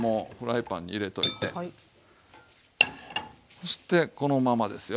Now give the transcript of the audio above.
そしてこのままですよ。